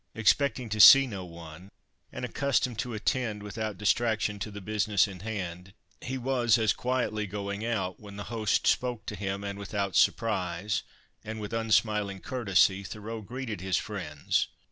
Expecting to see no one, and accustomed to attend without distraction to the business in hand, he was as quietly going out, when the host spoke to him, and without surprise, and with unsmiling courtesy, Thoreau greeted his friends.